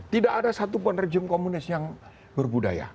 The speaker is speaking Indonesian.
tidak ada satupun rejim komunis yang berbudaya